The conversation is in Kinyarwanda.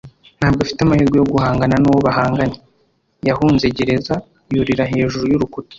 Ntabwo afite amahirwe yo guhangana nuwo bahanganye. Yahunze gereza yurira hejuru y'urukuta.